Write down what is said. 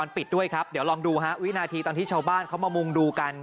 ปิดด้วยครับเดี๋ยวลองดูฮะวินาทีตอนที่ชาวบ้านเขามามุงดูกัน